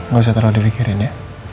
gak usah terlalu di pikirin ya